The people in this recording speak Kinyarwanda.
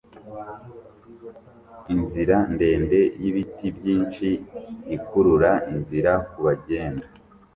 Inzira ndende y'ibiti byinshi ikurura inzira kubagenda